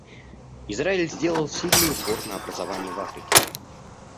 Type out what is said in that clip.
Израиль сделал сильный упор на образование в Африке.